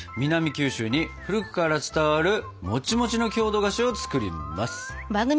九州に古くから伝わるもちもちの郷土菓子を作ります！